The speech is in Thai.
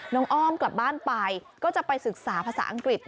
อ้อมกลับบ้านไปก็จะไปศึกษาภาษาอังกฤษ